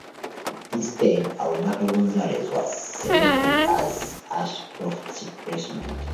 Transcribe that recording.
Instead, Alberto Gonzales was selected as Ashcroft's replacement.